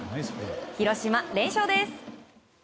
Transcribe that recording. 広島、連勝です！